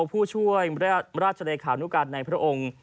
ผู้ช่วยราชเลขานุการณ์ในพระองค์